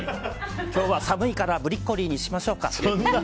今日は寒いからブリッコリーにしましょうか？